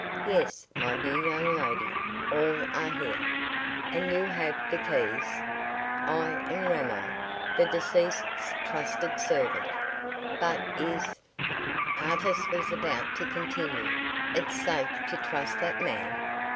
"Yes, my dear young lady, all are here." "And you have the keys?" "I and Ramo, the deceased's trusted servant." "But is " Artis was about to continue, "it safe to trust that man?"